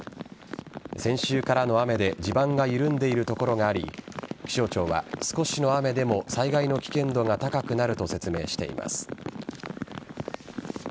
先週からの雨で地盤が緩んでいる所があり気象庁は、少しの雨でも災害の危険度が高くなると説明しています。